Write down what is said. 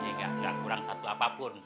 nggak kurang satu apapun